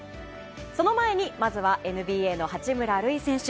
その前にまずはＮＢＡの八村塁選手。